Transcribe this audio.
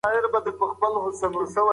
که ویبسایټ ولرو نو معلومات نه پټیږي.